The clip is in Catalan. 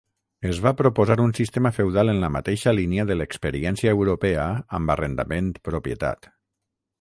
Es va proposar un sistema feudal en la mateixa línia de l'experiència europea amb arrendament-propietat.